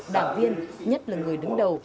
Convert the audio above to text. đảng viên nhất là người đứng đầu